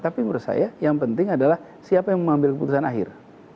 tapi menurut saya yang penting adalah siapa yang mengambil keputusan akhir